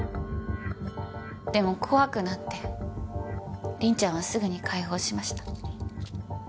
でも怖くなって凛ちゃんはすぐに解放しました。